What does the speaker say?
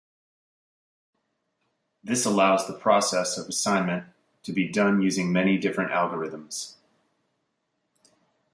This allows the process of assignment to be done using many different algorithms.